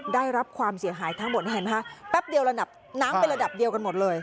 ได้รับความเสียหายทั้งหมดแป๊บเดียวน้ำเป็นระดับเดียวกันหมดเลย